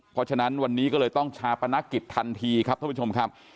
เพราะฉะนั้นวันนี้ก็เลยต้องชาปนกิจทันทีครับท่านผู้ชมครับ